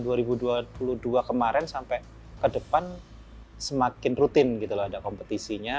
kemarin sampai ke depan semakin rutin gitu loh ada kompetisinya